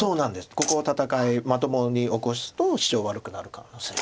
ここ戦いまともに起こすとシチョウ悪くなる可能性が。